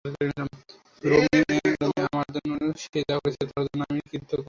রোমে আমার জন্য সে যা করেছে, তার জন্য আমি কৃতজ্ঞতাপাশে বদ্ধ।